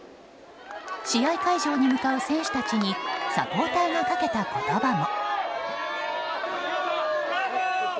試合会場に向かう選手たちにサポーターがかけた言葉も。